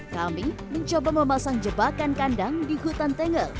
kami mencoba memasang jebakan kandang di hutan tengel